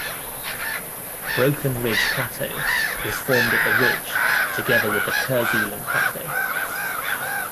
Broken Ridge Plateau was formed at the ridge together with the Kerguelen Plateau.